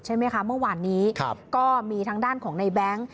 ใช่ไหมคะเมื่อวานนี้ก็มีทางด้านของในแบงค์